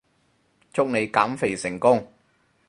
祝你減肥成功